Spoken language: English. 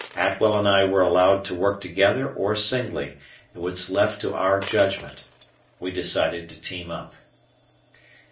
Atwell and I were allowed to work together or singly, it was left to our judgment. We decided to team up.